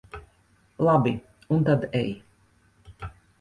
Labi, un tad ej.